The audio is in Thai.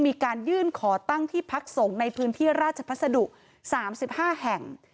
มีการยื่นขอตั้งที่พักสงฆ์ในพื้นที่ราชพัสดุ๓๕แห่ง